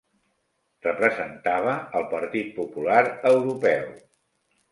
Representava al Partit Popular Europeu.